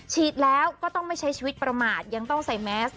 ฉีดแล้วก็ต้องไม่ใช้ชีวิตประมาทยังต้องใส่แมส